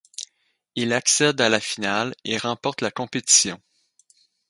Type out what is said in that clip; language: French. Il accède à la finale et remporte la compétition.